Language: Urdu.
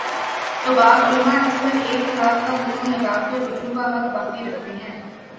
تو بعض علما اس پر ایک طلاق کا حکم لگا کر رجوع کا حق باقی رکھتے ہیں